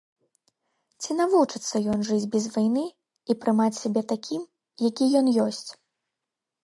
Ці навучыцца ён жыць без вайны і прымаць сябе такім, які ён ёсць?